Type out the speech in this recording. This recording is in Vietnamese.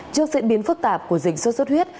trong diễn biến phức tạp của dịch sốt sốt huyết